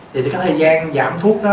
thì cái thời gian giảm thuốc đó